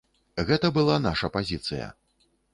Гэта была наша пазіцыя.